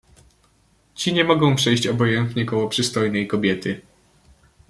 "Ci nie mogą przejść obojętnie koło przystojnej kobiety."